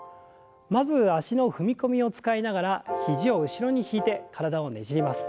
まず脚の踏み込みを使いながら肘を後ろに引いて体をねじります。